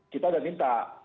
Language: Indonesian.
kita udah minta